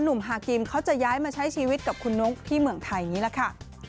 ฮากิมเขาจะย้ายมาใช้ชีวิตกับคุณนุ๊กที่เมืองไทยนี่แหละค่ะ